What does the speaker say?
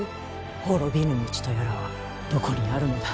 滅びぬ道とやらはどこにあるのだ。